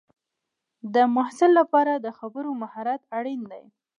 د محصل لپاره د خبرو مهارت اړین دی.